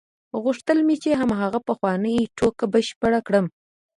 غوښتل مې چې هماغه پخوانۍ ټوکه بشپړه کړم.